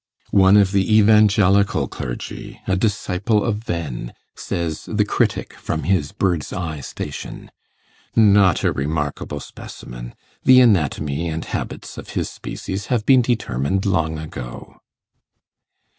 'One of the Evangelical clergy, a disciple of Venn,' says the critic from his bird's eye station. 'Not a remarkable specimen; the anatomy and habits of his species have been determined long ago.